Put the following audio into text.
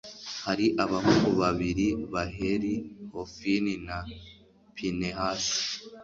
hari abahungu babiri ba heli, hofini na pinehasi